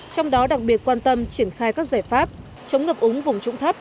trong đó đặc biệt quan tâm triển khai các giải pháp chống ngập úng vùng trũng thấp